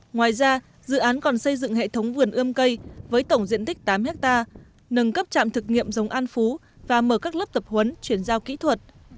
ngoài ra dự án còn xây dựng hệ thống vườn ươm cây với tổng diện tích tám hectare nâng cấp trạm thực nghiệm giống an phú và mở các lớp tập huấn chuyển giao kỹ thuật